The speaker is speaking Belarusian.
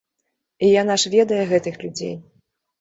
І яна ж ведае гэтых людзей!